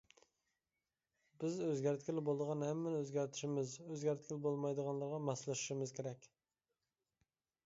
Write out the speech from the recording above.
بىز ئۆزگەرتكىلى بولىدىغان ھەممىنى ئۆزگەرتىشىمىز، ئۆزگەرتكىلى بولمايدىغانلىرىغا ماسلىشىشىمىز كېرەك.